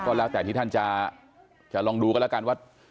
ก็แล้วแต่ที่ท่านจะลองดูกันแล้วกันว่า